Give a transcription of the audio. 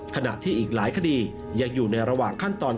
ขณะที่อีกหลายคดียังอยู่ในระหว่างขั้นตอน